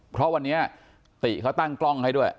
เพราะวันนี้ติเขาตั้งกล้องให้ด้วย